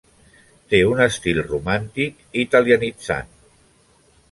Té un estil romàntic italianitzant.